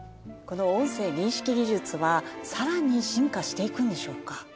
この音声認識技術はさらに進化していくのでしょうか？